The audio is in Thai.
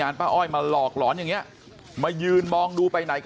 นี่เห็นมั้ย